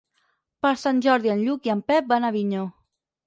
Per Sant Jordi en Lluc i en Pep van a Avinyó.